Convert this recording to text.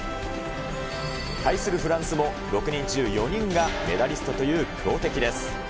対するフランスも、６人中４人がメダリストという強敵です。